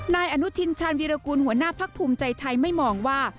นายอนุทินชาญวิรากูลหัวหน้าพักภูมิใจไทยไม่มองว่า